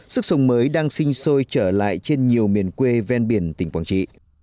sức sống mới đang sinh sôi trở lại trên nhiều miền quê ven biển tỉnh quảng trị